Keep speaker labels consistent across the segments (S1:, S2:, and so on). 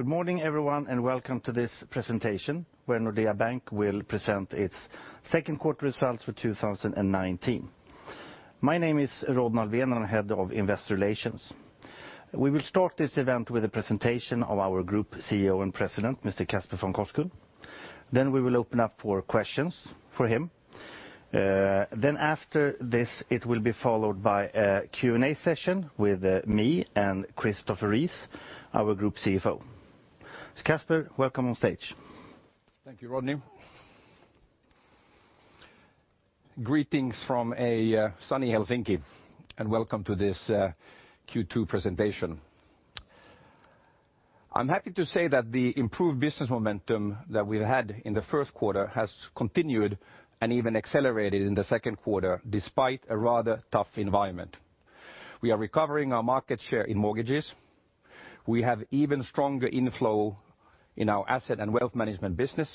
S1: Good morning, everyone, welcome to this presentation where Nordea Bank will present its second quarter results for 2019. My name is Rodney Alfvén, Head of Investor Relations. We will start this event with a presentation of our Group CEO and President, Mr. Casper von Koskull. We will open up for questions for him. After this, it will be followed by a Q&A session with me and Christopher Rees, our Group CFO. Casper, welcome on stage.
S2: Thank you, Rodney. Greetings from a sunny Helsinki, welcome to this Q2 presentation. I'm happy to say that the improved business momentum that we've had in the first quarter has continued and even accelerated in the second quarter, despite a rather tough environment. We are recovering our market share in mortgages. We have even stronger inflow in our asset and wealth management business,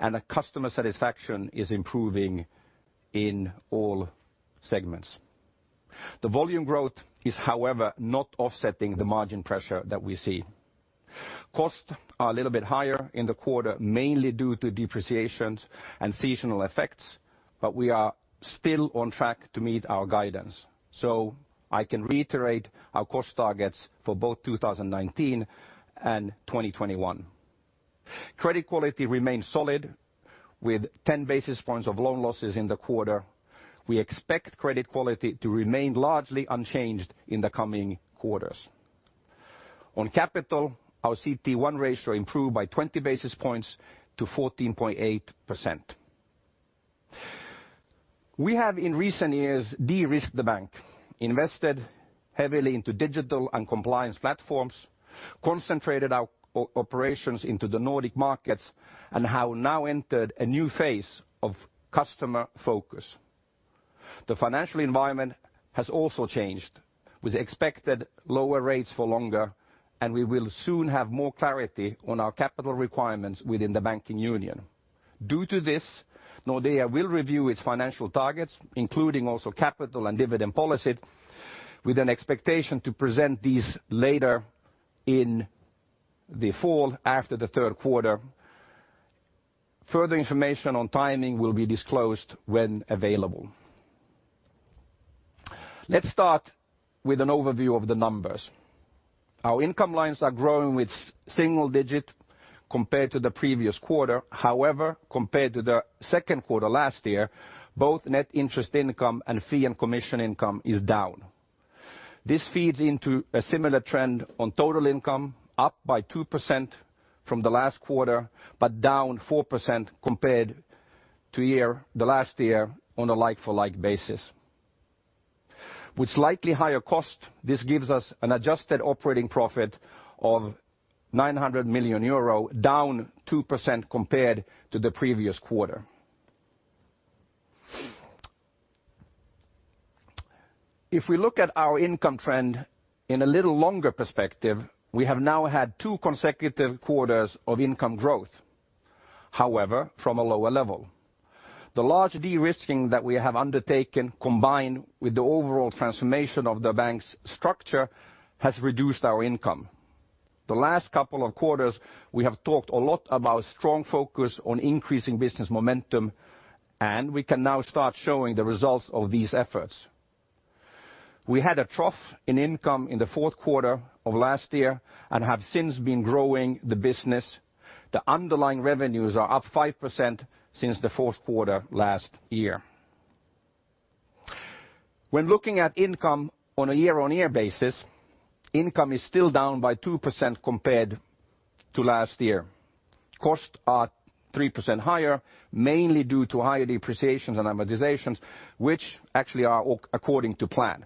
S2: and our customer satisfaction is improving in all segments. The volume growth is, however, not offsetting the margin pressure that we see. Costs are a little bit higher in the quarter, mainly due to depreciations and seasonal effects, but we are still on track to meet our guidance. I can reiterate our cost targets for both 2019 and 2021. Credit quality remains solid with 10 basis points of loan losses in the quarter. We expect credit quality to remain largely unchanged in the coming quarters. On capital, our CET1 ratio improved by 20 basis points to 14.8%. We have in recent years de-risked the bank, invested heavily into digital and compliance platforms, concentrated our operations into the Nordic markets, we have now entered a new phase of customer focus. The financial environment has also changed with expected lower rates for longer, we will soon have more clarity on our capital requirements within the banking union. Due to this, Nordea will review its financial targets, including also capital and dividend policy, with an expectation to present these later in the fall after the third quarter. Further information on timing will be disclosed when available. Let's start with an overview of the numbers. Our income lines are growing with single digit compared to the previous quarter. However, compared to the second quarter last year, both net interest income and fee and commission income is down. This feeds into a similar trend on total income up by 2% from the last quarter, but down 4% compared to the last year on a like-for-like basis. With slightly higher cost, this gives us an adjusted operating profit of 900 million euro, down 2% compared to the previous quarter. If we look at our income trend in a little longer perspective, we have now had two consecutive quarters of income growth. However, from a lower level. The large de-risking that we have undertaken, combined with the overall transformation of the bank's structure, has reduced our income. We can now start showing the results of these efforts. We had a trough in income in the fourth quarter of last year and have since been growing the business. The underlying revenues are up 5% since the fourth quarter last year. When looking at income on a year-on-year basis, income is still down by 2% compared to last year. Costs are 3% higher, mainly due to higher depreciations and amortizations, which actually are according to plan.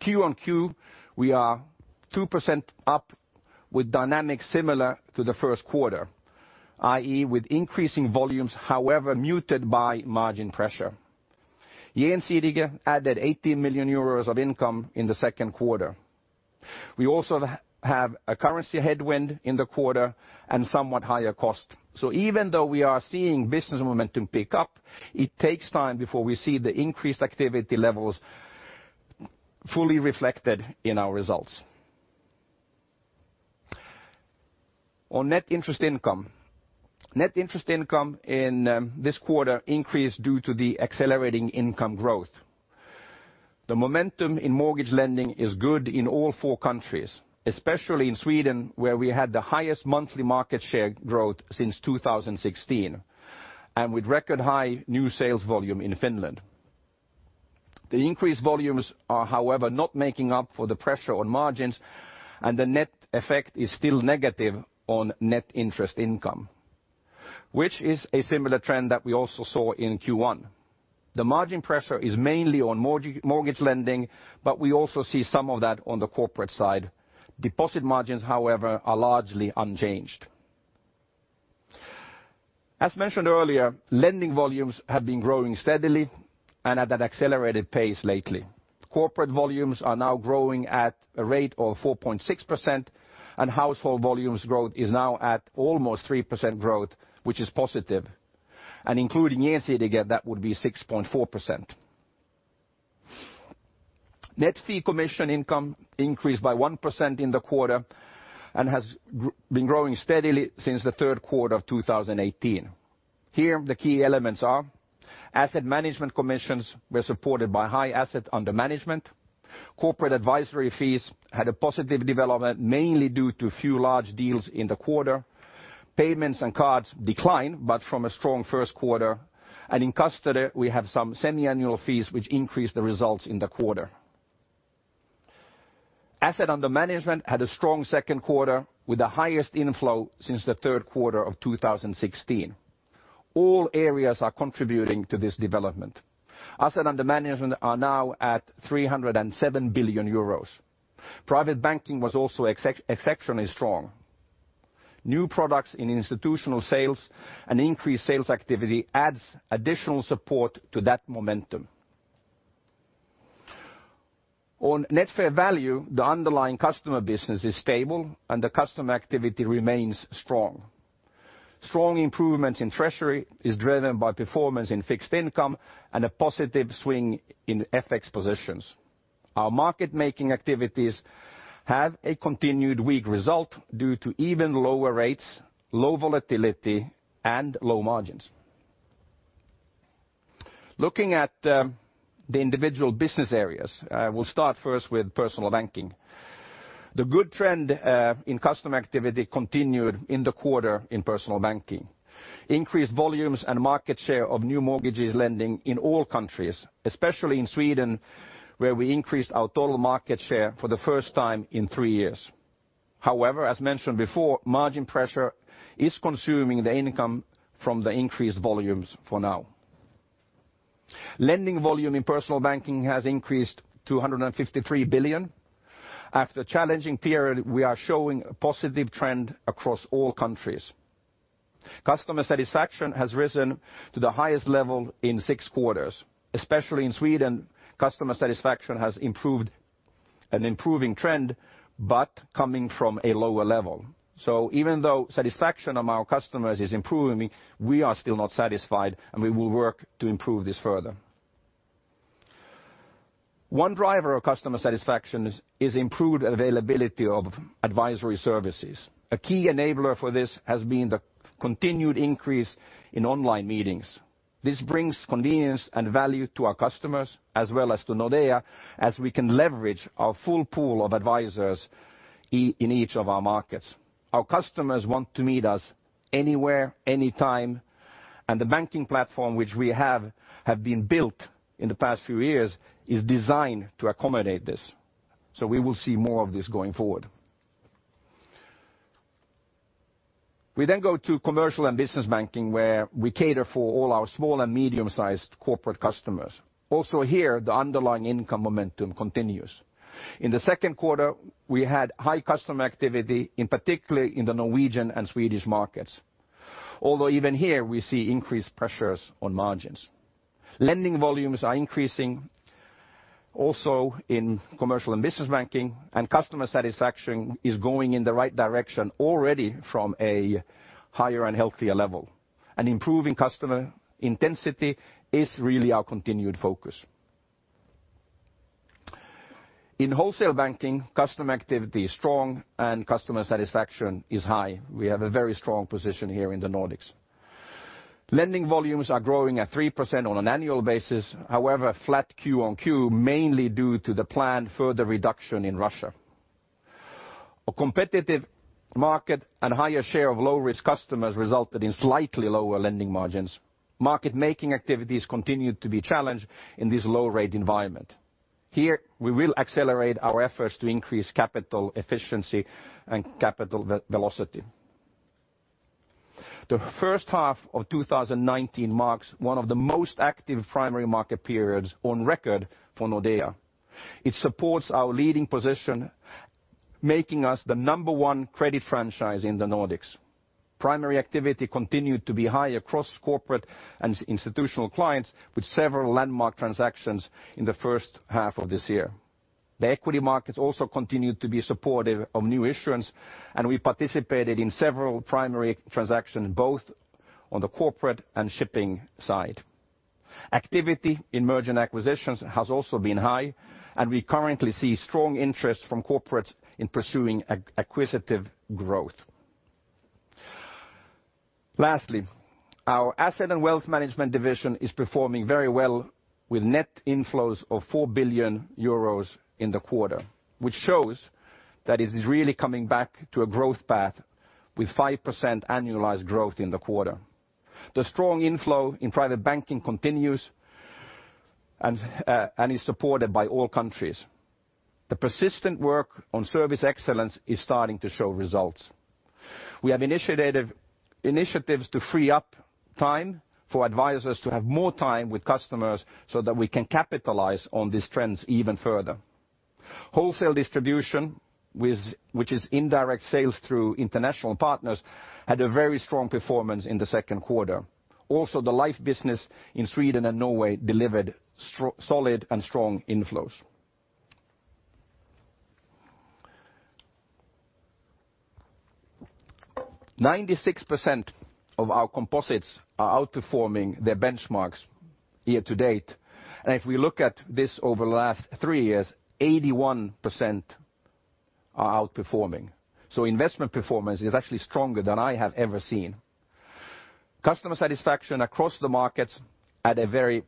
S2: Q-on-Q, we are 2% up with dynamics similar to the first quarter, i.e. with increasing volumes, however muted by margin pressure. Gjensidige added 80 million euros of income in the second quarter. We also have a currency headwind in the quarter and somewhat higher cost. Even though we are seeing business momentum pick up, it takes time before we see the increased activity levels fully reflected in our results. On net interest income. Net interest income in this quarter increased due to the accelerating income growth. The momentum in mortgage lending is good in all four countries, especially in Sweden, where we had the highest monthly market share growth since 2016, and with record high new sales volume in Finland. The increased volumes are, however, not making up for the pressure on margins, and the net effect is still negative on net interest income, which is a similar trend that we also saw in Q1. The margin pressure is mainly on mortgage lending, but we also see some of that on the corporate side. Deposit margins, however, are largely unchanged. As mentioned earlier, lending volumes have been growing steadily and at an accelerated pace lately. Corporate volumes are now growing at a rate of 4.6%, and household volumes growth is now at almost 3% growth, which is positive. Including Gjensidige, that would be 6.4%. Net fee commission income increased by 1% in the quarter and has been growing steadily since the third quarter of 2018. Here, the key elements are asset management commissions were supported by high asset under management. Corporate advisory fees had a positive development, mainly due to few large deals in the quarter. Payments and cards declined, but from a strong first quarter. In custody, we have some semiannual fees which increased the results in the quarter. Asset under management had a strong second quarter with the highest inflow since the third quarter of 2016. All areas are contributing to this development. Asset under management are now at 307 billion euros. Private banking was also exceptionally strong. New products in institutional sales and increased sales activity adds additional support to that momentum. On net fair value, the underlying customer business is stable and the customer activity remains strong. Strong improvements in treasury is driven by performance in fixed income and a positive swing in FX positions. Our market making activities have a continued weak result due to even lower rates, low volatility, and low margins. Looking at the individual business areas, we will start first with personal banking. The good trend in customer activity continued in the quarter in personal banking. Increased volumes and market share of new mortgage lending in all countries, especially in Sweden, where we increased our total market share for the first time in three years. However, as mentioned before, margin pressure is consuming the income from the increased volumes for now. Lending volume in personal banking has increased to 153 billion. After a challenging period, we are showing a positive trend across all countries. Customer satisfaction has risen to the highest level in six quarters. Especially in Sweden, customer satisfaction has an improving trend, but coming from a lower level. Even though satisfaction among our customers is improving, we are still not satisfied, and we will work to improve this further. One driver of customer satisfaction is improved availability of advisory services. A key enabler for this has been the continued increase in online meetings. This brings convenience and value to our customers as well as to Nordea as we can leverage our full pool of advisors in each of our markets. Our customers want to meet us anywhere, anytime, and the banking platform which we have been built in the past few years is designed to accommodate this. We will see more of this going forward. We go to commercial and business banking, where we cater for all our small and medium sized corporate customers. Also here, the underlying income momentum continues. In the second quarter, we had high customer activity in particular in the Norwegian and Swedish markets. Although even here we see increased pressures on margins. Lending volumes are increasing also in commercial and business banking, and customer satisfaction is going in the right direction already from a higher and healthier level. Improving customer intensity is really our continued focus. In wholesale banking, customer activity is strong and customer satisfaction is high. We have a very strong position here in the Nordics. Lending volumes are growing at 3% on an annual basis, however, flat Q-on-Q mainly due to the planned further reduction in Russia. A competitive market and higher share of low-risk customers resulted in slightly lower lending margins. Market making activities continued to be challenged in this low rate environment. Here we will accelerate our efforts to increase capital efficiency and capital velocity. The first half of 2019 marks one of the most active primary market periods on record for Nordea. It supports our leading position, making us the number one credit franchise in the Nordics. Primary activity continued to be high across corporate and institutional clients with several landmark transactions in the first half of this year. The equity markets also continued to be supportive of new issuance, and we participated in several primary transactions both on the corporate and shipping side. Activity in merger and acquisitions has also been high, and we currently see strong interest from corporates in pursuing acquisitive growth. Lastly, our asset and wealth management division is performing very well with net inflows of 4 billion euros in the quarter, which shows that it is really coming back to a growth path with 5% annualized growth in the quarter. The strong inflow in private banking continues and is supported by all countries. The persistent work on service excellence is starting to show results. We have initiatives to free up time for advisors to have more time with customers so that we can capitalize on these trends even further. Wholesale distribution, which is indirect sales through international partners, had a very strong performance in the second quarter. Also, the life business in Sweden and Norway delivered solid and strong inflows. 96% of our composites are outperforming their benchmarks year-to-date. If we look at this over the last three years, 81% are outperforming. Investment performance is actually stronger than I'm ever seen. Customer satisfaction across the markets at a very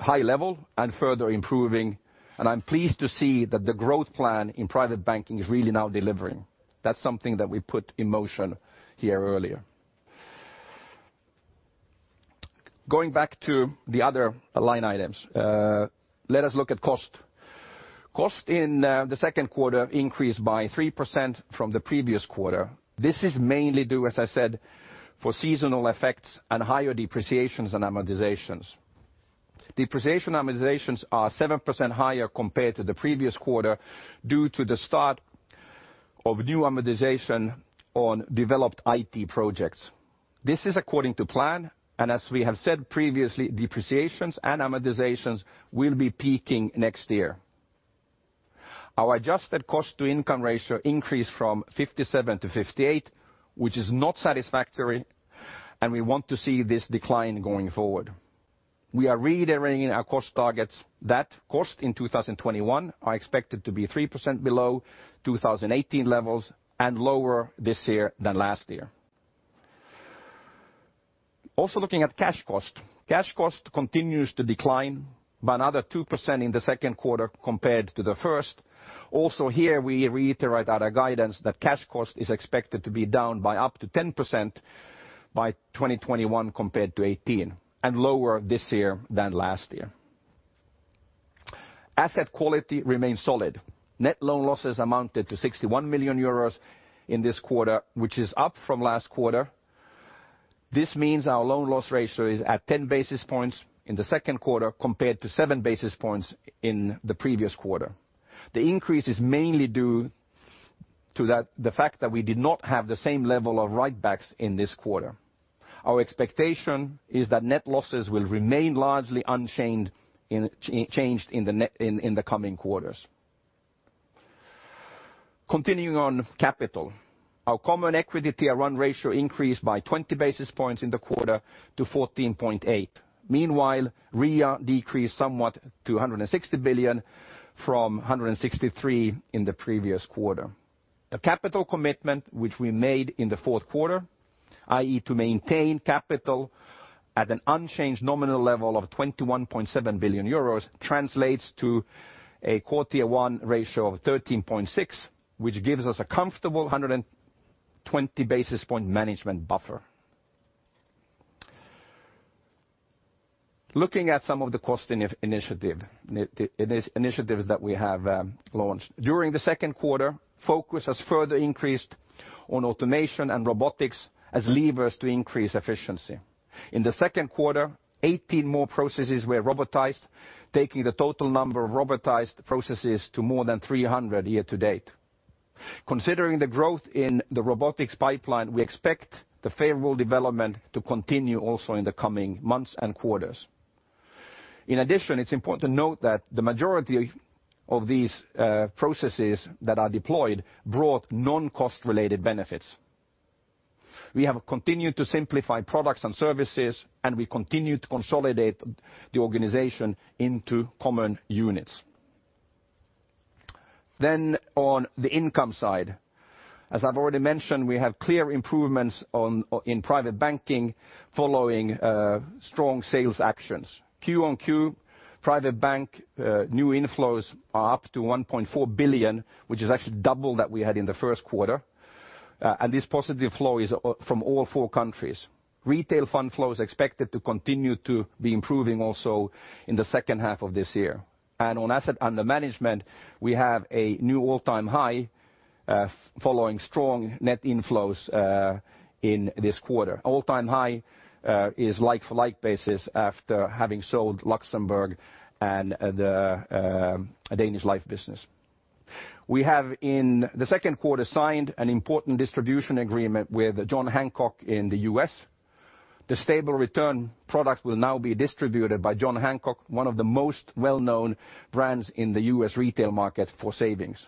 S2: high level and further improving, and I'm pleased to see that the growth plan in private banking is really now delivering. That's something that we put in motion a year earlier. Going back to the other line items. Let us look at cost. Cost in the second quarter increased by 3% from the previous quarter. This is mainly due, as I said, for seasonal effects and higher depreciations and amortizations. Depreciation amortizations are 7% higher compared to the previous quarter due to the start of new amortization on developed IT projects. This is according to plan, and as we have said previously, depreciations and amortizations will be peaking next year. Our adjusted cost-to-income ratio increased from 57 to 58, which is not satisfactory. We want to see this decline going forward. We are reiterating our cost targets that cost in 2021 are expected to be 3% below 2018 levels and lower this year than last year. Looking at cash cost. Cash cost continues to decline by another 2% in the second quarter compared to the first. Here, we reiterate our guidance that cash cost is expected to be down by up to 10% by 2021 compared to 2018, and lower this year than last year. Asset quality remains solid. Net loan losses amounted to 61 million euros in this quarter, which is up from last quarter. This means our loan loss ratio is at 10 basis points in the second quarter compared to seven basis points in the previous quarter. The increase is mainly due to the fact that we did not have the same level of write-backs in this quarter. Our expectation is that net losses will remain largely unchanged in the coming quarters. Continuing on capital. Our Common Equity Tier 1 ratio increased by 20 basis points in the quarter to 14.8. Meanwhile, REA decreased somewhat to 160 billion from 163 billion in the previous quarter. The capital commitment which we made in the fourth quarter, i.e. to maintain capital at an unchanged nominal level of 21.7 billion euros, translates to a core Tier 1 ratio of 13.6, which gives us a comfortable 120 basis point management buffer. Looking at some of the cost initiatives that we have launched. During the second quarter, focus has further increased on automation and robotics as levers to increase efficiency. In the second quarter, 18 more processes were robotized, taking the total number of robotized processes to more than 300 year-to-date. Considering the growth in the robotics pipeline, we expect the favorable development to continue also in the coming months and quarters. In addition, it's important to note that the majority of these processes that are deployed brought non-cost-related benefits. We have continued to simplify products and services. We continue to consolidate the organization into common units. On the income side. As I've already mentioned, we have clear improvements in private banking following strong sales actions. Q-on-Q, private bank new inflows are up to 1.4 billion, which is actually double that we had in the first quarter. This positive flow is from all four countries. Retail fund flow is expected to continue to be improving also in the second half of this year. On asset under management, we have a new all-time high following strong net inflows in this quarter. All-time high is like-for-like basis after having sold Luxembourg and the Danish life business. We have, in the second quarter, signed an important distribution agreement with John Hancock in the U.S. The stable return product will now be distributed by John Hancock, one of the most well-known brands in the U.S. retail market for savings.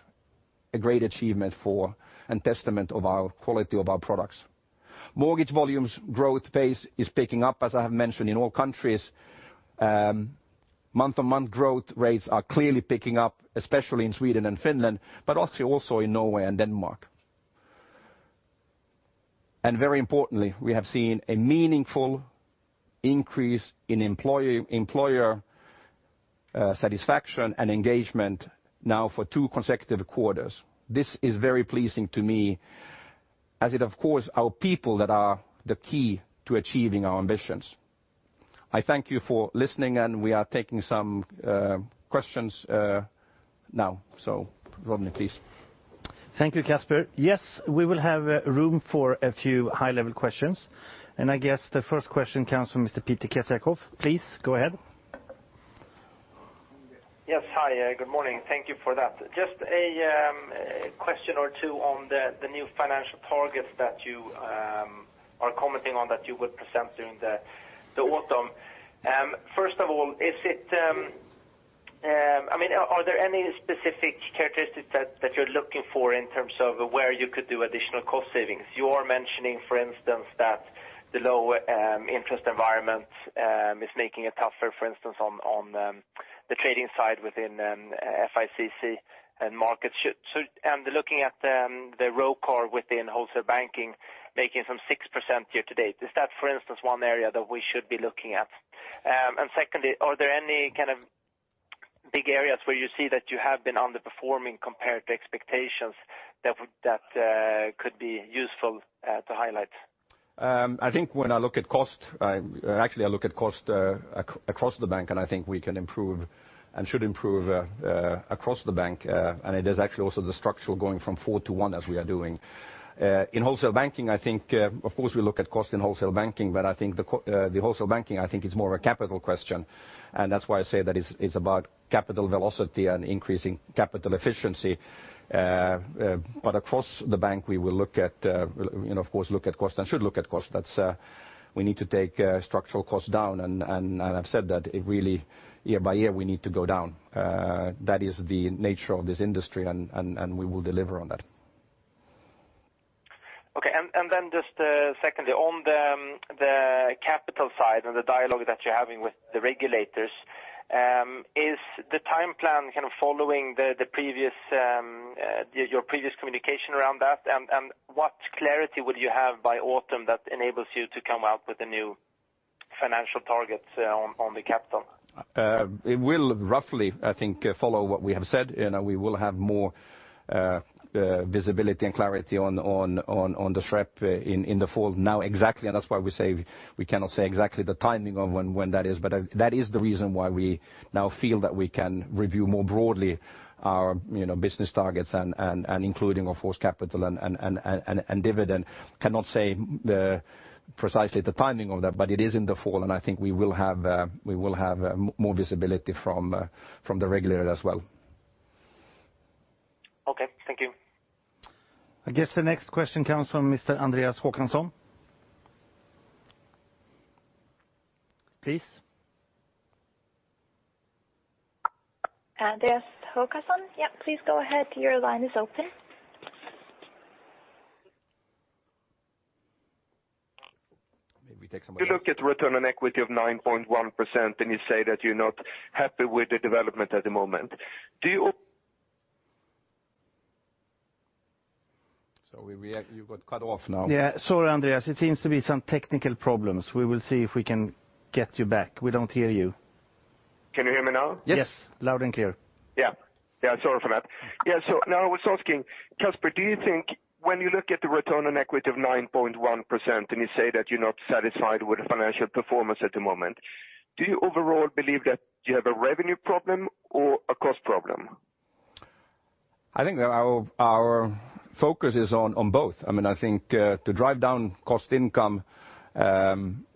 S2: A great achievement for and testament of our quality of our products. Mortgage volumes growth pace is picking up, as I have mentioned, in all countries. Month-on-month growth rates are clearly picking up, especially in Sweden and Finland, but also in Norway and Denmark. Very importantly, we have seen a meaningful increase in employer satisfaction and engagement now for two consecutive quarters. This is very pleasing to me as it, of course, our people that are the key to achieving our ambitions. I thank you for listening, and we are taking some questions now. Rodney, please.
S1: Thank you, Casper. We will have room for a few high-level questions. I guess the first question comes from Mr. Peter Kessiakoff. Please, go ahead.
S3: Hi, good morning. Thank you for that. Just a question or two on the new financial targets that you are commenting on that you would present during the autumn. First of all, Are there any specific characteristics that you're looking for in terms of where you could do additional cost savings? You are mentioning, for instance, that the low-interest environment is making it tougher, for instance, on the trading side within FICC and markets. Looking at the ROCAR within wholesale banking, making some 6% year-to-date. Is that, for instance, one area that we should be looking at? Secondly, are there any big areas where you see that you have been underperforming compared to expectations that could be useful to highlight?
S2: I think when I look at cost, actually I look at cost across the bank, and I think we can improve and should improve across the bank. It is actually also the structural going from four to one as we are doing. In wholesale banking, I think, of course, we look at cost in wholesale banking, but I think the wholesale banking, I think it's more of a capital question, and that's why I say that it's about capital velocity and increasing capital efficiency. Across the bank, we will look at, of course, look at cost and should look at cost. We need to take structural costs down, and I've said that it really, year by year, we need to go down. That is the nature of this industry, and we will deliver on that.
S3: Okay. Just secondly, on the capital side and the dialogue that you're having with the regulators, is the time plan following your previous communication around that? What clarity would you have by autumn that enables you to come out with the new financial targets on the capital?
S2: It will roughly, I think, follow what we have said, and we will have more visibility and clarity on the SREP in the fall. Exactly, that's why we say we cannot say exactly the timing of when that is. That is the reason why we now feel that we can review more broadly our business targets, including, of course, capital and dividend. We cannot say precisely the timing of that. It is in the fall, and I think we will have more visibility from the regulator as well.
S3: Okay, thank you.
S1: I guess the next question comes from Mr. Andreas Håkansson. Please.
S4: Andreas Håkansson? Yeah, please go ahead. Your line is open.
S2: Maybe take somebody else.
S4: You look at return on equity of 9.1%. You say that you're not happy with the development at the moment. Do you?
S2: You got cut off now.
S1: Yeah. Sorry, Andreas. It seems to be some technical problems. We will see if we can get you back. We don't hear you.
S5: Can you hear me now?
S1: Yes. Loud and clear.
S5: Sorry for that. Now I was asking, Casper, do you think when you look at the return on equity of 9.1%, and you say that you're not satisfied with the financial performance at the moment, do you overall believe that you have a revenue problem or a cost problem?
S2: I think that our focus is on both. I think to drive down cost income,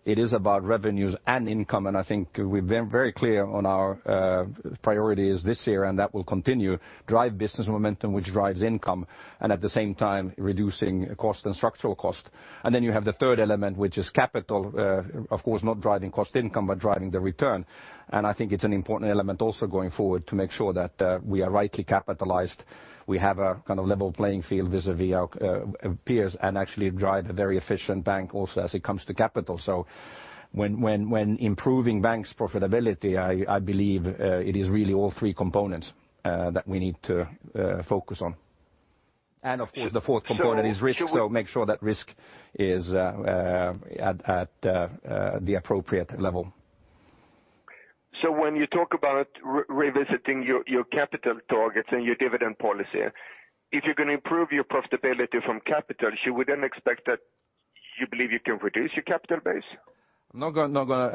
S2: it is about revenues and income. I think we've been very clear on our priorities this year, that will continue. Drive business momentum, which drives income, at the same time reducing cost and structural cost. Then you have the third element, which is capital, of course, not driving cost income, driving the return. I think it's an important element also going forward to make sure that we are rightly capitalized, we have a level playing field vis-à-vis our peers, actually drive a very efficient bank also as it comes to capital. When improving bank's profitability, I believe it is really all three components that we need to focus on. Of course, the fourth component is risk, make sure that risk is at the appropriate level.
S5: When you talk about revisiting your capital targets and your dividend policy, if you're going to improve your profitability from capital, should we expect that you believe you can reduce your capital base?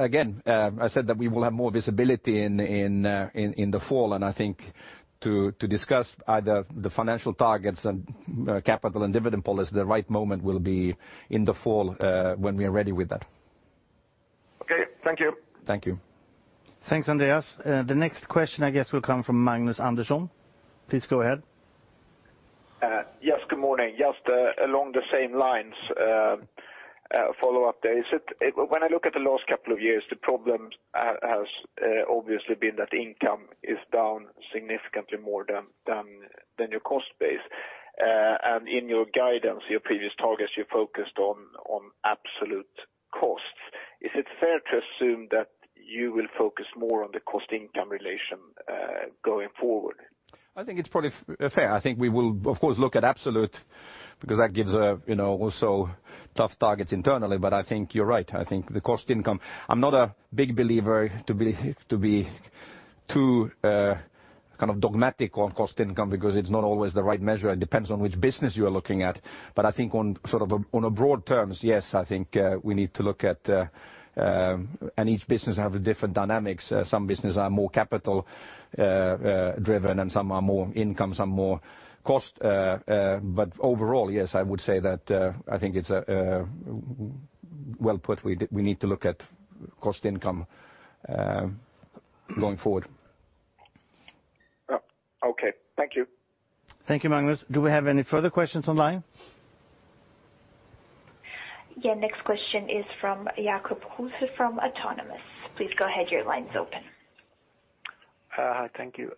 S2: Again, I said that we will have more visibility in the fall. I think to discuss either the financial targets, capital and dividend policy, the right moment will be in the fall when we are ready with that.
S5: Okay. Thank you.
S2: Thank you.
S1: Thanks, Andreas. The next question, I guess, will come from Magnus Andersson. Please go ahead.
S6: Yes, good morning. Just along the same lines, follow-up there. When I look at the last couple of years, the problem has obviously been that income is down significantly more than your cost base. In your guidance, your previous targets, you focused on absolute costs. Is it fair to assume that you will focus more on the cost-income relation going forward?
S2: I think it's probably fair. I think we will, of course, look at absolute because that gives also tough targets internally. I think you're right. I think the cost income. I'm not a big believer to be too dogmatic on cost income because it's not always the right measure. It depends on which business you are looking at. I think on broad terms, yes, I think we need to look at Each business have a different dynamics. Some business are more capital-driven and some are more income, some more cost. Overall, yes, I would say that I think it's well put. We need to look at cost income going forward.
S6: Okay. Thank you.
S1: Thank you, Magnus. Do we have any further questions online?
S4: Yeah, next question is from Jacob Kruse from Autonomous. Please go ahead, your line's open.
S7: Hi. Thank you.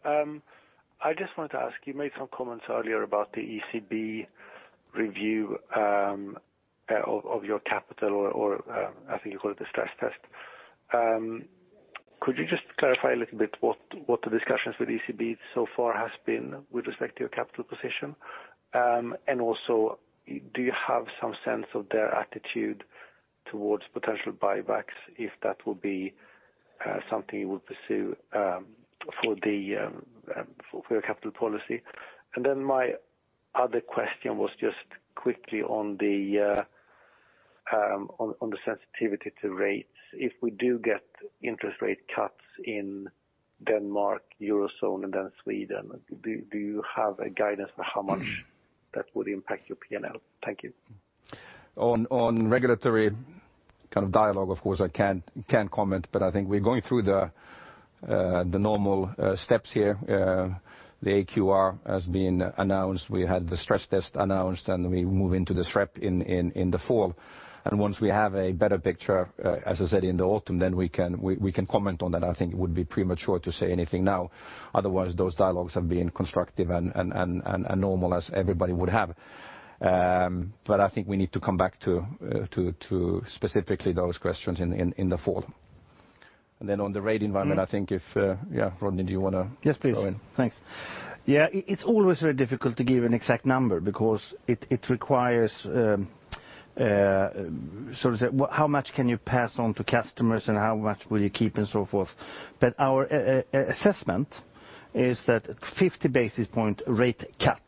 S7: I just wanted to ask, you made some comments earlier about the ECB review of your capital or I think you call it the stress test. Could you just clarify a little bit what the discussions with ECB so far has been with respect to your capital position? Also, do you have some sense of their attitude towards potential buybacks, if that will be something you would pursue for your capital policy? Then my other question was just quickly on the sensitivity to rates. If we do get interest rate cuts in Denmark, Eurozone, and then Sweden, do you have a guidance for how much that would impact your P&L? Thank you.
S2: On regulatory kind of dialogue, of course, I can't comment, but I think we're going through the normal steps here. The AQR has been announced. We had the stress test announced, and we move into the SREP in the fall. Once we have a better picture, as I said, in the autumn, then we can comment on that. I think it would be premature to say anything now. Otherwise, those dialogues have been constructive and normal as everybody would have. I think we need to come back to specifically those questions in the fall. Then on the rate environment, I think if Yeah, Rodney, do you want to-
S1: Yes, please.
S2: go in?
S1: Thanks. Yeah. It is always very difficult to give an exact number because it requires, so to say, how much can you pass on to customers and how much will you keep and so forth. Our assessment is that 50 basis point rate cut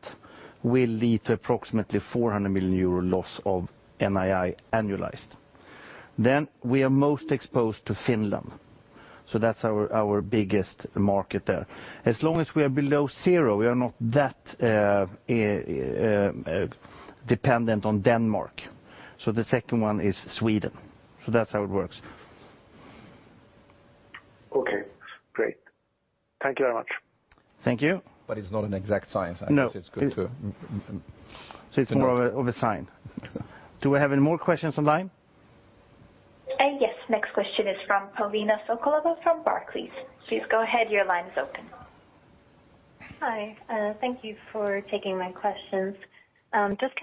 S1: will lead to approximately 400 million euro loss of NII annualized. We are most exposed to Finland, so that is our biggest market there. As long as we are below zero, we are not that dependent on Denmark. The second one is Sweden. That is how it works.
S7: Okay, great. Thank you very much.
S1: Thank you.
S2: It is not an exact science.
S1: No.
S2: I guess it's good to-
S1: It's more of a sign. Do we have any more questions on line?
S4: Yes. Next question is from Paulina Sokolova from Barclays. Please go ahead, your line is open.
S8: Hi. Thank you for taking my questions. Just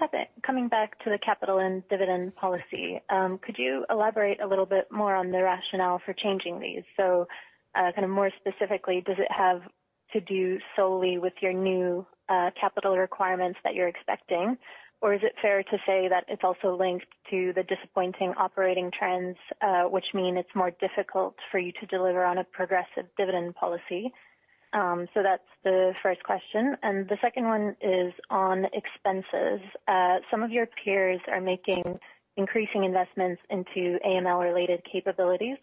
S8: coming back to the capital and dividend policy. Could you elaborate a little bit more on the rationale for changing these? More specifically, does it have to do solely with your new capital requirements that you're expecting, or is it fair to say that it's also linked to the disappointing operating trends which mean it's more difficult for you to deliver on a progressive dividend policy? That's the first question. The second one is on expenses. Some of your peers are making increasing investments into AML-related capabilities.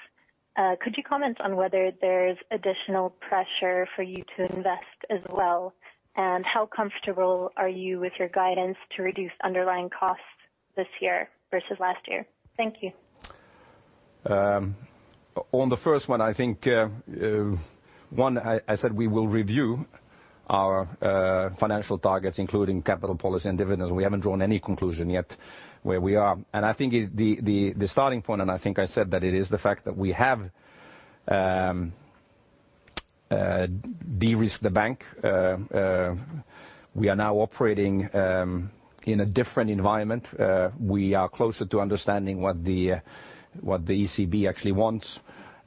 S8: Could you comment on whether there's additional pressure for you to invest as well? How comfortable are you with your guidance to reduce underlying costs this year versus last year? Thank you.
S2: On the first one, I think, one, I said we will review our financial targets, including capital policy and dividends. We haven't drawn any conclusion yet where we are. I think the starting point, I think I said that it is the fact that we have de-risked the bank. We are now operating in a different environment. We are closer to understanding what the ECB actually wants.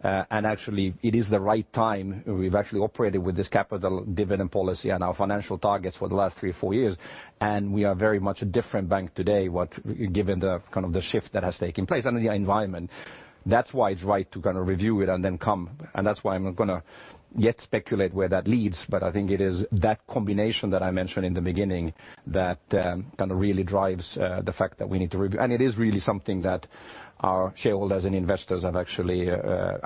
S2: Actually it is the right time. We've actually operated with this capital dividend policy and our financial targets for the last three or four years, and we are very much a different bank today, given the shift that has taken place under the environment. That's why it's right to review it and then come. That's why I'm not going to yet speculate where that leads. I think it is that combination that I mentioned in the beginning that really drives the fact that we need to review. It is really something that our shareholders and investors are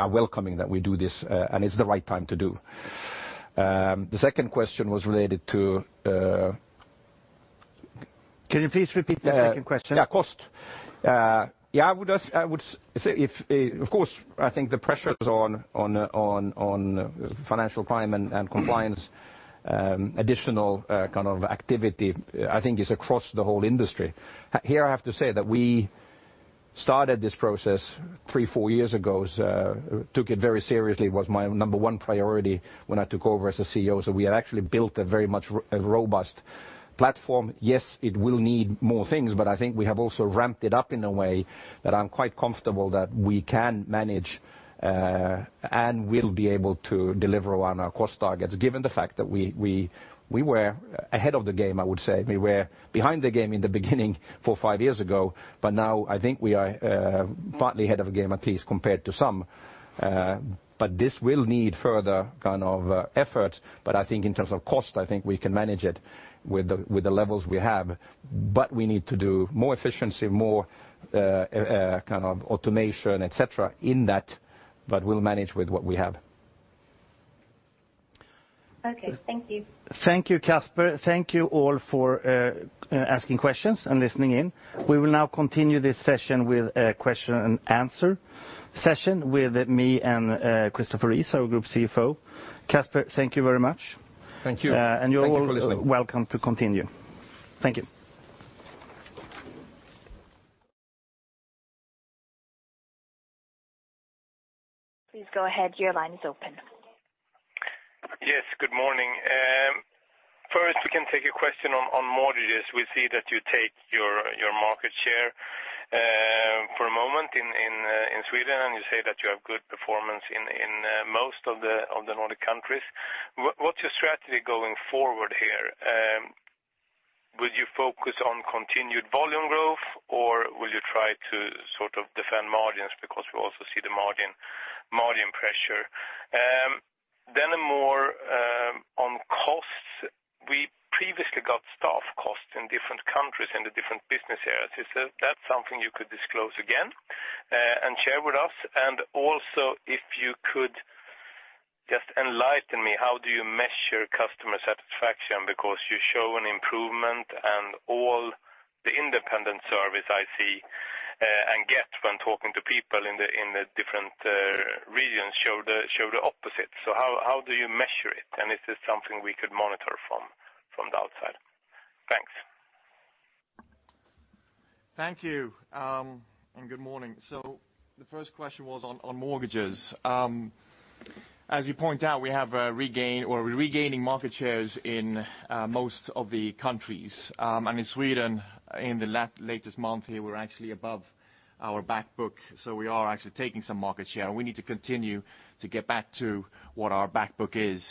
S2: welcoming that we do this, and it's the right time to do. The second question was related to.
S1: Can you please repeat the second question?
S2: Cost. Of course, I think the pressures on financial crime and compliance, additional kind of activity, I think is across the whole industry. Here, I have to say that we started this process three, four years ago, took it very seriously. It was my number one priority when I took over as a CEO. We had actually built a very much robust platform. Yes, it will need more things, but I think we have also ramped it up in a way that I'm quite comfortable that we can manage, and we'll be able to deliver on our cost targets, given the fact that we were ahead of the game, I would say. We were behind the game in the beginning, four, five years ago, but now I think we are partly ahead of the game, at least compared to some. This will need further effort. I think in terms of cost, I think we can manage it with the levels we have. We need to do more efficiency, more automation, et cetera, in that. We'll manage with what we have.
S8: Okay. Thank you.
S1: Thank you, Casper. Thank you all for asking questions and listening in. We will now continue this session with a question and answer session with me and Christopher Rees, our Group CFO. Casper, thank you very much.
S2: Thank you.
S9: You're all welcome to continue. Thank you.
S4: Please go ahead. Your line is open. Yes, good morning. First, we can take a question on mortgages. We see that you take your market share for a moment in Sweden, and you say that you have good performance in most of the Nordic countries. What's your strategy going forward here? Will you focus on continued volume growth, or will you try to defend margins? We also see the margin pressure. More on costs. We previously got staff costs in different countries in the different business areas. Is that something you could disclose again and share with us? Also if you could just enlighten me, how do you measure customer satisfaction? You show an improvement and all the independent service I see and get when talking to people in the different regions show the opposite. How do you measure it, and is this something we could monitor from the outside? Thanks.
S9: Thank you, and good morning. The first question was on mortgages. As you point out, we're regaining market shares in most of the countries. In Sweden, in the latest month here, we're actually above our back book. We are actually taking some market share, and we need to continue to get back to what our back book is.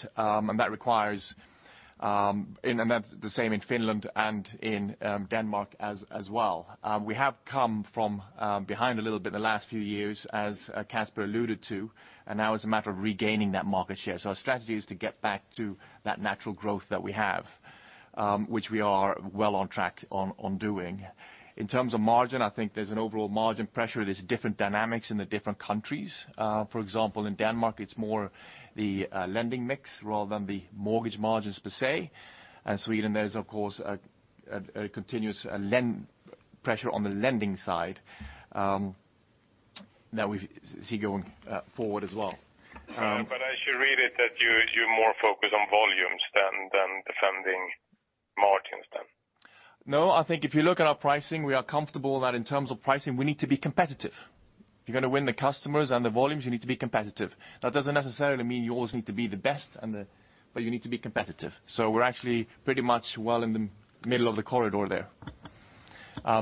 S9: That's the same in Finland and in Denmark as well. We have come from behind a little bit in the last few years, as Casper alluded to, and now it's a matter of regaining that market share. Our strategy is to get back to that natural growth that we have, which we are well on track on doing. In terms of margin, I think there's an overall margin pressure. There's different dynamics in the different countries. For example, in Denmark, it's more the lending mix rather than the mortgage margins per se. Sweden, there is, of course, a continuous pressure on the lending side that we see going forward as well.
S10: I should read it that you're more focused on volumes than defending margins then.
S9: I think if you look at our pricing, we are comfortable that in terms of pricing, we need to be competitive. If you're going to win the customers and the volumes, you need to be competitive. That doesn't necessarily mean you always need to be the best, but you need to be competitive. We're actually pretty much well in the middle of the corridor there.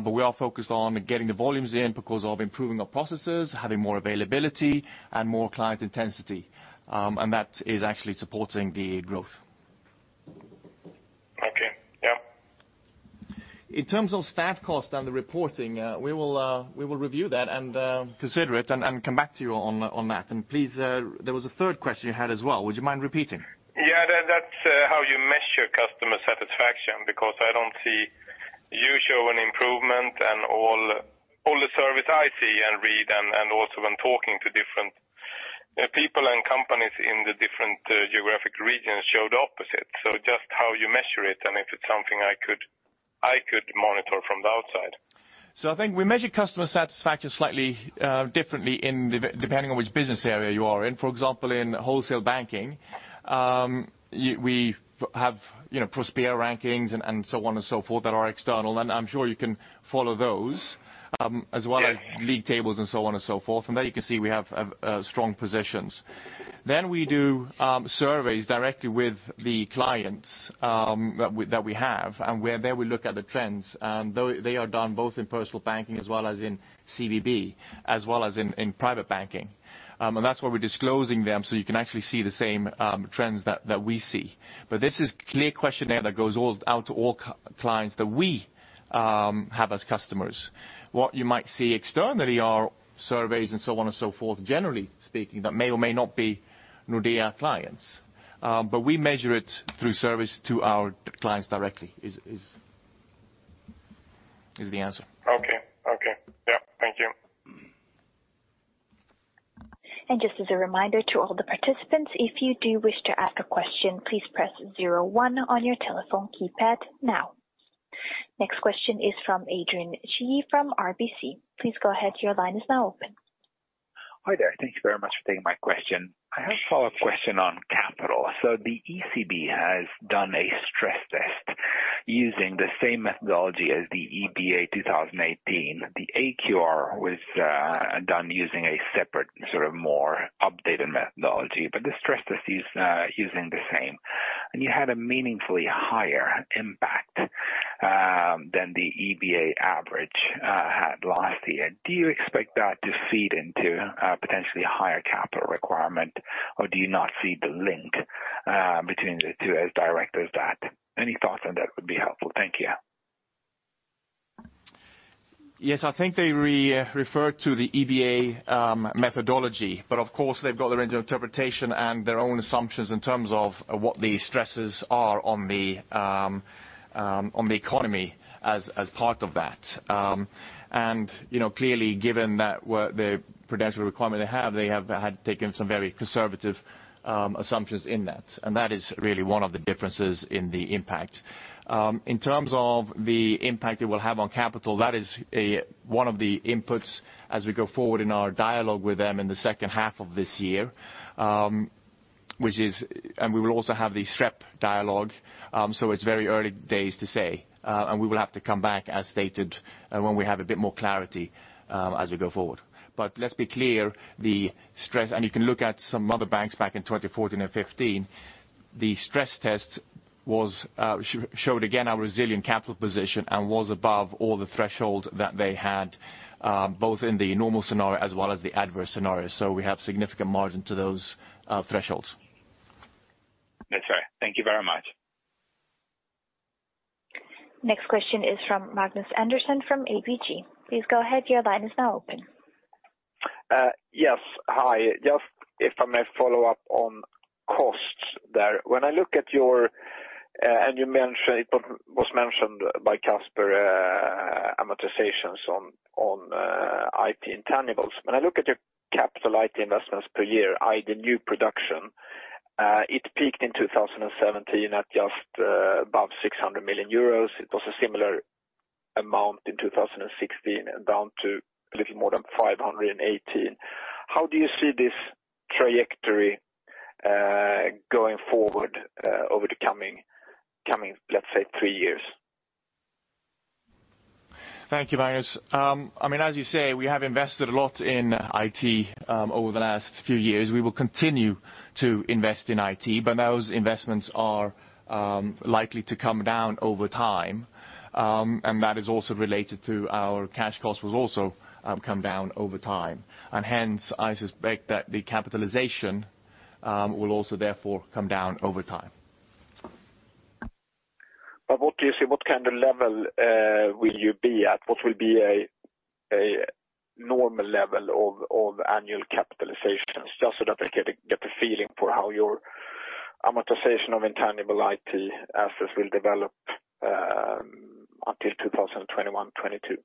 S9: We are focused on getting the volumes in because of improving our processes, having more availability, and more client intensity. That is actually supporting the growth.
S10: Okay. Yeah.
S9: In terms of staff cost and the reporting, we will review that and consider it and come back to you on that. Please, there was a third question you had as well. Would you mind repeating?
S10: That's how you measure customer satisfaction, because I don't see you show an improvement and all the service I see and read, and also when talking to different people and companies in the different geographic regions show the opposite. Just how you measure it, and if it's something I could monitor from the outside.
S9: I think we measure customer satisfaction slightly differently depending on which business area you are in. For example, in wholesale banking, we have Prospera rankings and so on and so forth that are external, and I'm sure you can follow those, as well as league tables and so on and so forth. There you can see we have strong positions. We do surveys directly with the clients that we have, and there we look at the trends. They are done both in personal banking as well as in CBB, as well as in private banking. That's why we're disclosing them, so you can actually see the same trends that we see. This is clear questionnaire that goes out to all clients that we have as customers. What you might see externally are surveys and so on and so forth, generally speaking, that may or may not be Nordea clients. We measure it through service to our clients directly, is the answer.
S10: Okay. Yeah. Thank you.
S4: Just as a reminder to all the participants, if you do wish to ask a question, please press zero one on your telephone keypad now. Next question is from Adrian Cighi from RBC. Please go ahead. Your line is now open.
S11: Hi there. Thank you very much for taking my question. I have a follow-up question on capital. The ECB has done a stress test using the same methodology as the EBA 2018. The AQR was done using a separate, more updated methodology. The stress test is using the same. You had a meaningfully higher impact than the EBA average had last year. Do you expect that to feed into a potentially higher capital requirement, or do you not see the link between the two as direct as that? Any thoughts on that would be helpful. Thank you.
S9: Yes, I think they refer to the EBA methodology, but of course, they've got their interpretation and their own assumptions in terms of what the stresses are on the economy as part of that. Clearly, given the prudential requirement they have, they have had taken some very conservative assumptions in that. That is really one of the differences in the impact. In terms of the impact it will have on capital, that is one of the inputs as we go forward in our dialogue with them in the second half of this year. And we will also have the SREP dialogue, so it's very early days to say. We will have to come back, as stated, when we have a bit more clarity as we go forward. Let's be clear, you can look at some other banks back in 2014 and 2015, the stress test showed again our resilient capital position and was above all the thresholds that they had, both in the normal scenario as well as the adverse scenario. We have significant margin to those thresholds.
S11: That's right. Thank you very much.
S4: Next question is from Magnus Andersson from ABG. Please go ahead, your line is now open.
S6: Yes. Hi. Just if I may follow up on costs there. When I look at your, and it was mentioned by Casper, amortizations on IT intangibles. When I look at your capital IT investments per year, i.e. the new production, it peaked in 2017 at just above 600 million euros. It was a similar amount in 2016 and down to a little more than 518 million. How do you see this trajectory going forward over the coming, let's say, three years?
S9: Thank you, Magnus. As you say, we have invested a lot in IT over the last few years. We will continue to invest in IT. Those investments are likely to come down over time. That is also related to our cash cost, which will also come down over time. Hence, I suspect that the capitalization will also therefore come down over time.
S6: What kind of level will you be at? What will be a normal level of annual capitalizations, just so that I get a feeling for how your amortization of intangible IT assets will develop until 2021, 2022.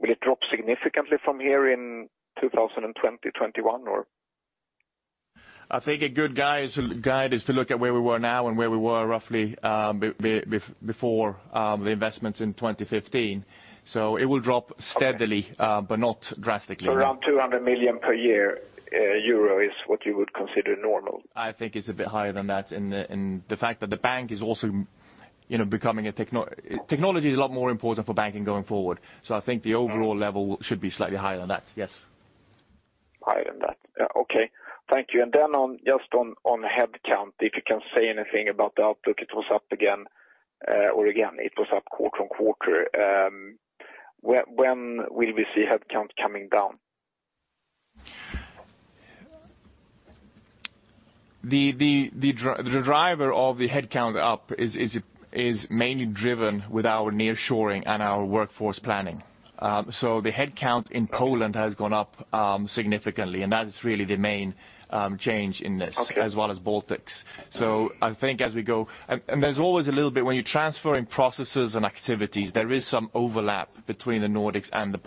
S6: Will it drop significantly from here in 2020, 2021, or?
S9: I think a good guide is to look at where we were now and where we were roughly before the investments in 2015. It will drop steadily-
S6: Okay.
S9: Not drastically.
S6: Around 200 million per year is what you would consider normal?
S9: I think it's a bit higher than that. Technology is a lot more important for banking going forward. I think the overall level should be slightly higher than that. Yes.
S6: Higher than that. Yeah. Okay. Thank you. Then just on headcount, if you can say anything about the outlook. It was up again quarter-on-quarter. When will we see headcount coming down?
S9: The driver of the headcount up is mainly driven with our nearshoring and our workforce planning. The headcount in Poland has gone up significantly, and that is really the main change in this.
S6: Okay.
S9: As well as Baltics. There's always a little bit when you're transferring processes and activities, there is some overlap between the Nordics and the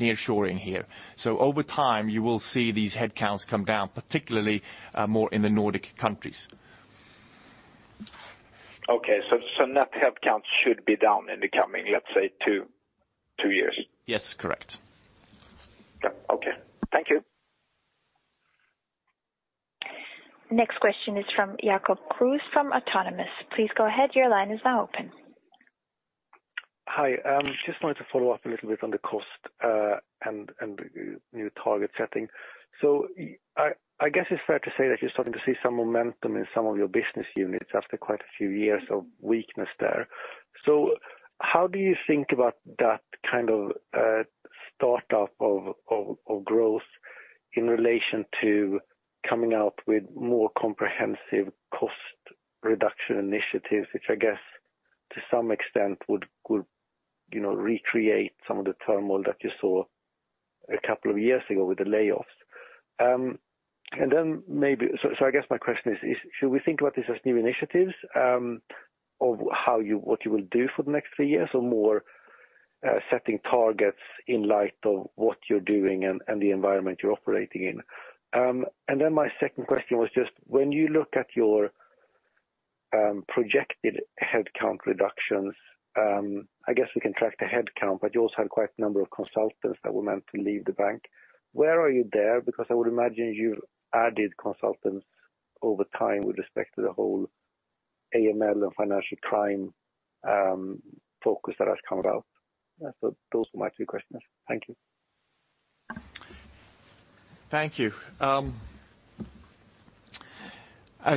S9: nearshoring here. Over time, you will see these headcounts come down, particularly more in the Nordic countries.
S6: Okay. Net headcount should be down in the coming, let's say, two years.
S9: Yes. Correct.
S6: Yeah. Okay. Thank you.
S4: Next question is from Jacob Kruse from Autonomous. Please go ahead, your line is now open.
S7: Hi. Just wanted to follow up a little bit on the cost and the new target setting. I guess it's fair to say that you're starting to see some momentum in some of your business units after quite a few years of weakness there. How do you think about that kind of startup of growth in relation to coming out with more comprehensive cost reduction initiatives, which I guess to some extent would recreate some of the turmoil that you saw a couple of years ago with the layoffs? I guess my question is, should we think about this as new initiatives of what you will do for the next three years or more setting targets in light of what you're doing and the environment you're operating in? My second question was just when you look at your projected headcount reductions, I guess we can track the headcount, but you also had quite a number of consultants that were meant to leave the bank. Where are you there? Because I would imagine you've added consultants over time with respect to the whole AML and financial crime focus that has come about. Those were my two questions. Thank you.
S9: Thank you. I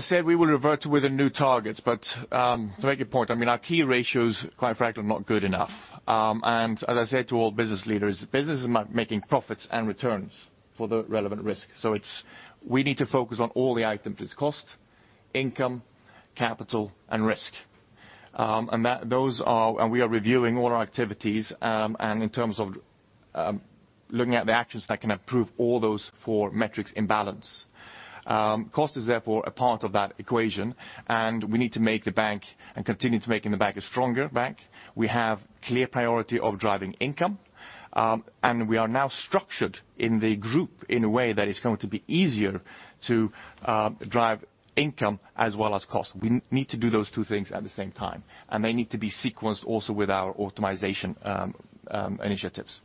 S9: said we will revert with the new targets, but to make a point, our key ratios, quite frankly, are not good enough. As I said to all business leaders, business is about making profits and returns for the relevant risk. We need to focus on all the items. It's cost, income, capital, and risk. We are reviewing all our activities, and in terms of looking at the actions that can improve all those four metrics in balance. Cost is therefore a part of that equation, and we need to make the bank and continue to making the bank a stronger bank. We have clear priority of driving income. We are now structured in the group in a way that is going to be easier to drive income as well as cost. We need to do those two things at the same time, and they need to be sequenced also with our automation initiatives.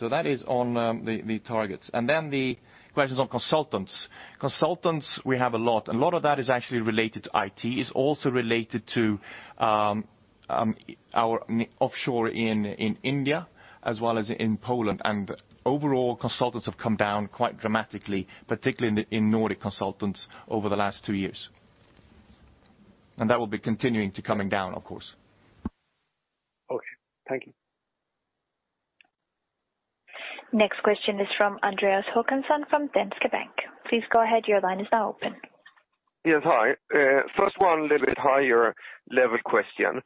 S9: That is on the targets. The questions on consultants. Consultants, we have a lot. A lot of that is actually related to IT. It's also related to our offshore in India as well as in Poland. Overall, consultants have come down quite dramatically, particularly in Nordic consultants over the last two years. That will be continuing to coming down, of course.
S7: Okay. Thank you.
S4: Next question is from Andreas Håkansson from Danske Bank. Please go ahead. Your line is now open.
S5: Yes, hi. First one, little bit higher level question.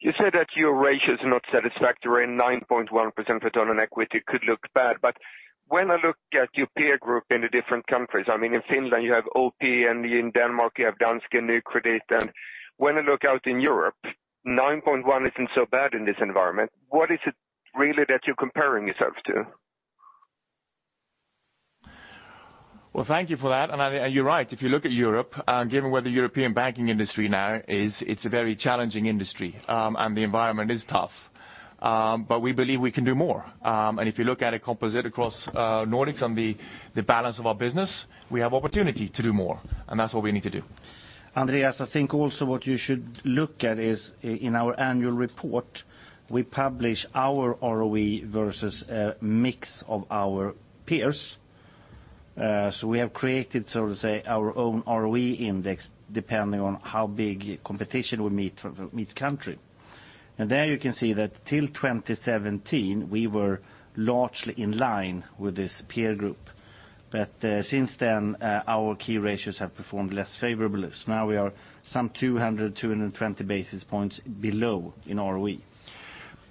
S5: You said that your ratios are not satisfactory and 9.1% return on equity could look bad, but when I look at your peer group in the different countries, I mean, in Finland you have OP, and in Denmark you have Danske credit. When I look out in Europe, 9.1 isn't so bad in this environment. What is it really that you're comparing yourselves to?
S9: Well, thank you for that. You're right. If you look at Europe, given where the European banking industry now is, it's a very challenging industry, and the environment is tough. We believe we can do more. If you look at a composite across Nordics and the balance of our business, we have opportunity to do more, and that's what we need to do.
S1: Andreas, I think also what you should look at is in our annual report, we publish our ROE versus a mix of our peers. We have created, so to say, our own ROE index, depending on how big competition we meet country. There you can see that till 2017, we were largely in line with this peer group. Since then, our key ratios have performed less favorably. Now we are some 200, 220 basis points below in ROE.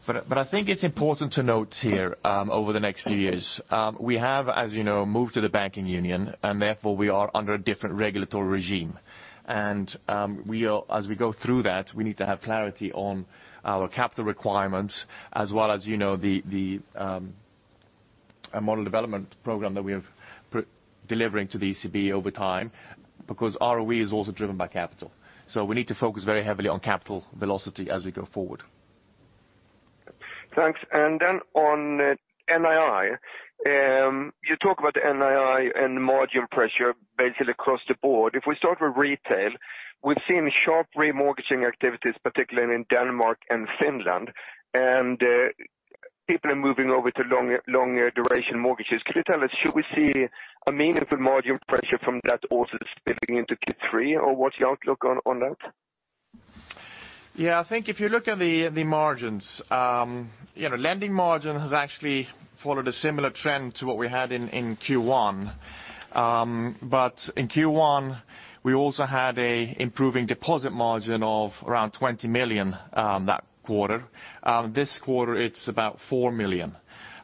S9: I think it's important to note here over the next few years. We have, as you know, moved to the banking union, and therefore we are under a different regulatory regime. As we go through that, we need to have clarity on our capital requirements as well as the model development program that we have delivering to the ECB over time, because ROE is also driven by capital. We need to focus very heavily on capital velocity as we go forward.
S5: Thanks. Then on NII. You talk about NII and the margin pressure basically across the board. If we start with retail, we've seen sharp remortgaging activities, particularly in Denmark and Finland, and people are moving over to longer duration mortgages. Could you tell us, should we see a meaningful margin pressure from that also spilling into Q3, or what's your outlook on that?
S9: I think if you look at the margins, lending margin has actually followed a similar trend to what we had in Q1. In Q1, we also had an improving deposit margin of around 20 million that quarter. This quarter it is about 4 million.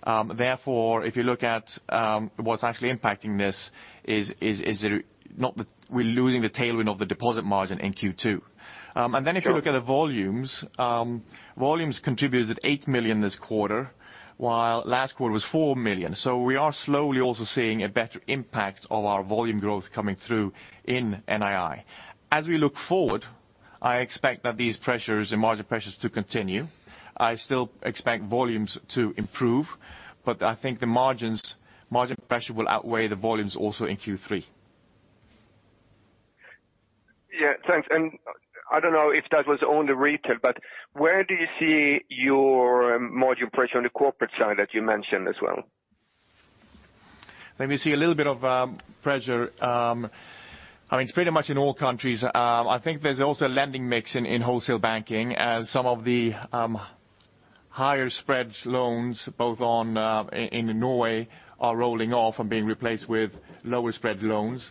S9: If you look at what is actually impacting this, is we are losing the tailwind of the deposit margin in Q2.
S5: Sure.
S9: If you look at the volumes contributed 8 million this quarter, while last quarter was 4 million. We are slowly also seeing a better impact of our volume growth coming through in NII. As we look forward, I expect that these pressures and margin pressures to continue. I still expect volumes to improve, I think the margin pressure will outweigh the volumes also in Q3.
S5: Yeah, thanks. I do not know if that was on the retail, where do you see your margin pressure on the corporate side that you mentioned as well?
S9: Maybe see a little bit of pressure. It is pretty much in all countries. I think there is also a lending mix in wholesale banking as some of the higher spreads loans, both in Norway are rolling off and being replaced with lower spread loans.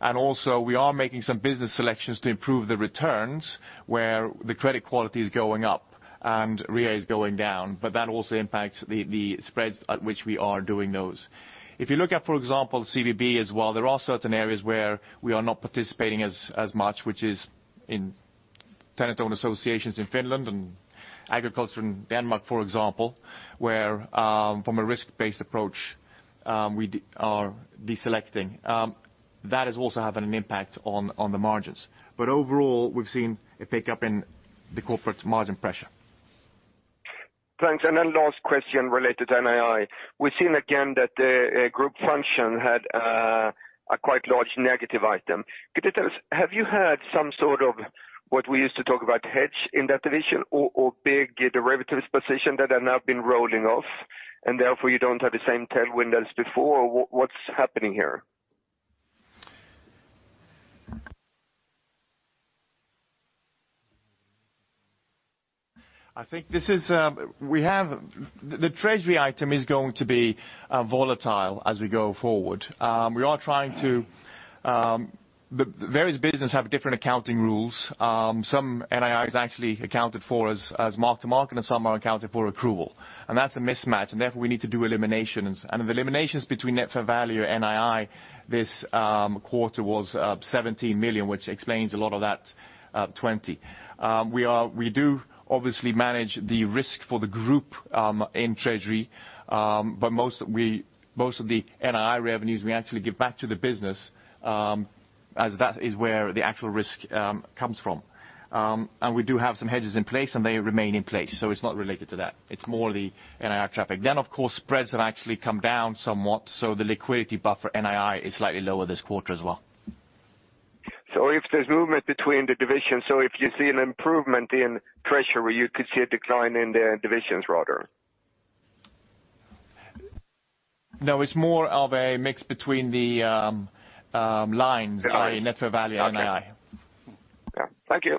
S9: Also we are making some business selections to improve the returns where the credit quality is going up and REA is going down. That also impacts the spreads at which we are doing those. If you look at, for example, CBB as well, there are certain areas where we are not participating as much, which is in tenant-owned associations in Finland and agriculture in Denmark, for example, where, from a risk-based approach, we are deselecting. That is also having an impact on the margins. Overall, we have seen a pickup in the corporate margin pressure.
S5: Thanks. Last question related to NII. We've seen again that a group function had a quite large negative item. Could you tell us, have you had some sort of what we used to talk about hedge in that division or big derivatives position that have now been rolling off and therefore you don't have the same tailwind as before? What's happening here?
S9: The treasury item is going to be volatile as we go forward. The various business have different accounting rules. Some NII is actually accounted for as mark-to-market, and some are accounted for accrual. That's a mismatch, and therefore we need to do eliminations. The eliminations between net for value NII this quarter was 17 million, which explains a lot of that 20 million. We do obviously manage the risk for the group in treasury. Most of the NII revenues we actually give back to the business, as that is where the actual risk comes from. We do have some hedges in place, and they remain in place. It's not related to that. It's more the NII traffic. Of course, spreads have actually come down somewhat, so the liquidity buffer NII is slightly lower this quarter as well.
S5: If there's movement between the divisions, if you see an improvement in treasury, you could see a decline in the divisions rather?
S9: No, it's more of a mix between the lines.
S5: Lines.
S9: in net fair value NII.
S5: Okay. Thank you.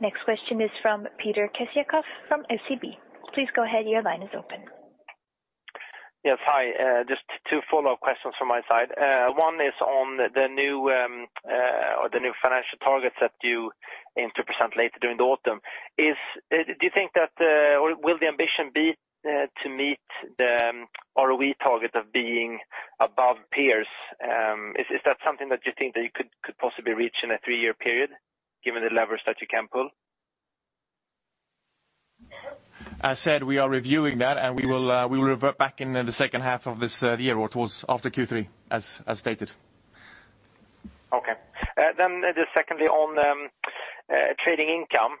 S4: Next question is from Peter Kessiakoff from SEB. Please go ahead. Your line is open.
S3: Yes, hi. Just two follow-up questions from my side. One is on the new financial targets that are due in 2% later during the autumn. Will the ambition be to meet the ROE target of being above peers? Is that something that you think that you could possibly reach in a three-year period, given the levers that you can pull?
S9: We are reviewing that, we will revert back in the second half of this year or towards after Q3, as stated.
S3: Okay. Just secondly on trading income,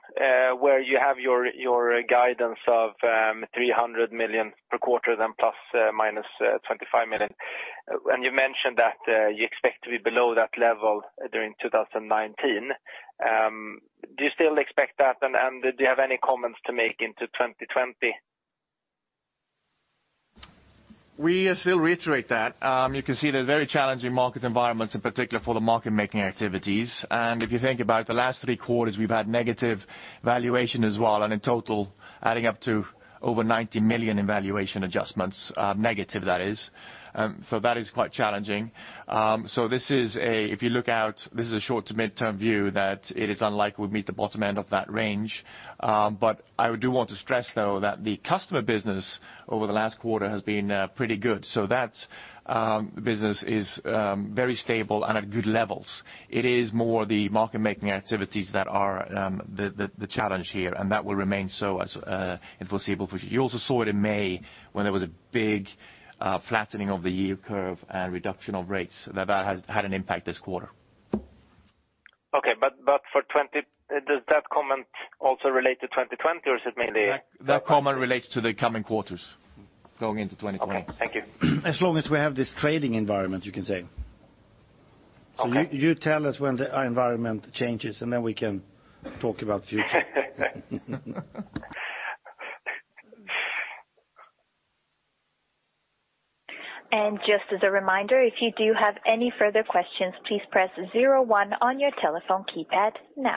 S3: where you have your guidance of 300 million per quarter, ± 25 million. You mentioned that you expect to be below that level during 2019. Do you still expect that, and do you have any comments to make into 2020?
S9: We still reiterate that. You can see there's very challenging market environments, in particular for the market-making activities. If you think about the last three quarters, we've had negative valuation as well, and in total adding up to over 90 million in valuation adjustments. Negative, that is. That is quite challenging. If you look out, this is a short to mid-term view that it is unlikely we'll meet the bottom end of that range. I do want to stress, though, that the customer business over the last quarter has been pretty good. That business is very stable and at good levels. It is more the market-making activities that are the challenge here, and that will remain so in foreseeable future. You also saw it in May when there was a big flattening of the yield curve and reduction of rates. That had an impact this quarter.
S3: Okay. Does that comment also relate to 2020, or is it mainly-
S9: That comment relates to the coming quarters going into 2020.
S3: Okay. Thank you.
S1: As long as we have this trading environment, you can say.
S3: Okay. You tell us when the environment changes. Then we can talk about the future.
S4: Just as a reminder, if you do have any further questions, please press zero one on your telephone keypad now.